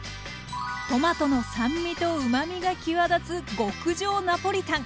トマトの酸味とうまみが際立つ極上ナポリタン。